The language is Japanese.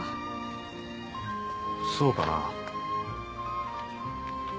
そうかな。